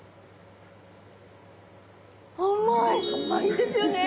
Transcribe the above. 甘いですよね。